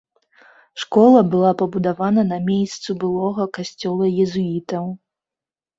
Школа была пабудавана на мейсцу былога касцёла езуітаў.